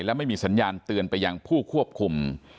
และไม่มีสัญญาณเตือนไปยังผู้ควบคุม